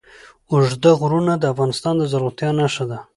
اوږده غرونه د افغانستان د زرغونتیا نښه ده.